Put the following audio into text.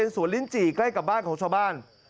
สวนลิ้นจี่ใกล้กับบ้านของชาวบ้าน